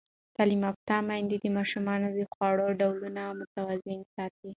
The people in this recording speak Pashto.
تعلیم یافته میندې د ماشومانو د خوړو ډولونه متوازن ساتي.